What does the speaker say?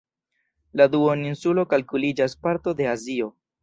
La duoninsulo kalkuliĝas parto de Azio.